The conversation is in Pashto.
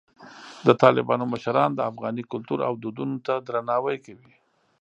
د طالبانو مشران د افغاني کلتور او دودونو ته درناوی کوي.